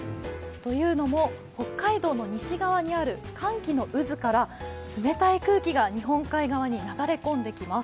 というのも、北海道の西側にある寒気の渦から冷たい空気が日本海側に流れ込んできます。